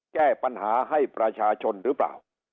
แก้ปัญหาให้ประชาชนหรือเปล่า